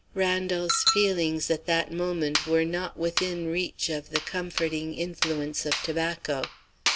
Randal's feelings, at that moment, were not within reach of the comforting influence of tobacco.